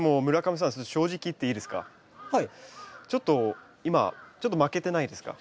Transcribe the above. ちょっと今ちょっと負けてないですか？